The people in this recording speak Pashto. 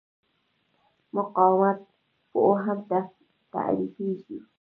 مقاومت په اوهم تعریفېږي.